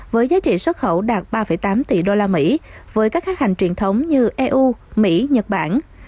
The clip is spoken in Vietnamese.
với giá trị xuất khẩu đạt ba tám tỷ usd với các khách hành truyền thống như eu mỹ nhật bản